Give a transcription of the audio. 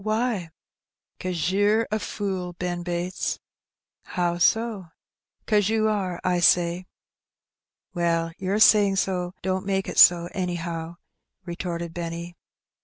Why?" 'Cause yer a fool, Ben Bates." "How so?" '"Cause ye are, I say." "Well, your saying so don't make it so, anyhow,'* retorted Benny.